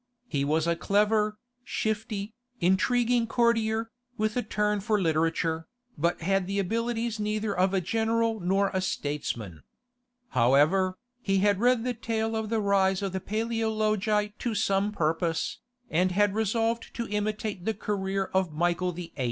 He was a clever, shifty, intriguing courtier, with a turn for literature, but had the abilities neither of a general nor of a statesman. However, he had read the tale of the rise of the Paleologi to some purpose, and had resolved to imitate the career of Michael VIII.